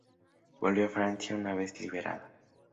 Volvió a Francia una vez liberada.